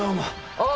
あっ！